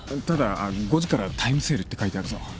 ただ５時から「タイムセール」って書いてあるぞ。